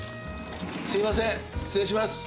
すいません失礼します。